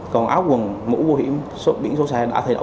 còn áo quần mũ vô hiểm biển số xe đã thay đổi rồi